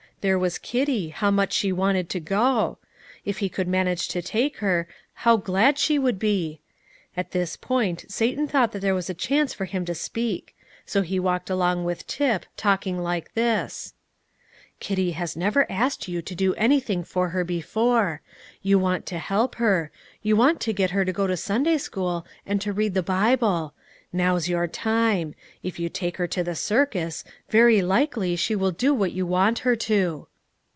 There was Kitty, how much she wanted to go; if he could manage to take her, how glad she would be! At this point Satan thought there was a chance for him to speak; so he walked along with Tip, talking like this: "Kitty has never asked you to do anything for her before. You want to help her; you want to get her to go to Sunday school and to read the Bible. Now's your time: if you take her to the circus, very likely she will do what you want her to."